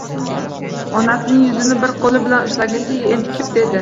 Onacining yuzini bir qo‘li bilan ushlaganicha, entikib dedi: